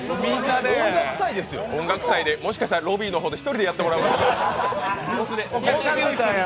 音楽祭でもしかしたらロビーの方で１人でやってもらうかも。